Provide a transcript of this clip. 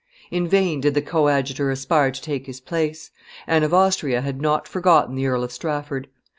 In vain did the coadjutor aspire to take his place; Anne of Austria had not forgotten the Earl of Strafford.